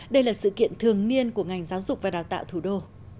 đây là sự kiện thường niên của ngành giáo dục và đào tạo thủ đô